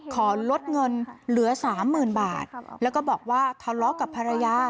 ขอลดเงินเหลือสามหมื่นบาทแล้วก็บอกว่าทะเลาะกับภรรยา